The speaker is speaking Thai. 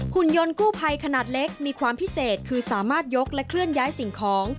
หุ่นยนต์กู้ภัยขนาดเล็กมีความพิเศษคือสามารถยกและเคลื่อนย้ายสิ่งของ